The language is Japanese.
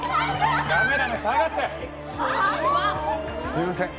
すいません。